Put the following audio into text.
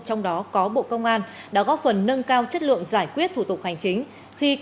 trong đó có bộ công an đã góp phần nâng cao chất lượng giải quyết thủ tục hành chính